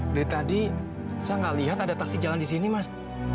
dari tadi saya nggak lihat ada taksi jalan di sini mas